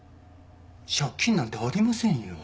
借金なんてありませんよ。